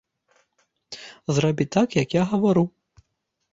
Зрабі так, як я гавару.